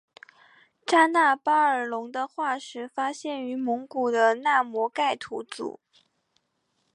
扎纳巴扎尔龙的化石发现于蒙古的纳摩盖吐组。